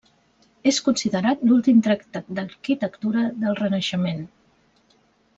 És considerat l'últim tractat d'arquitectura del Renaixement.